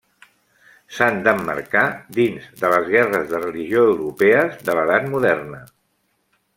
S'han d'emmarcar dins de les guerres de religió europees de l'Edat Moderna.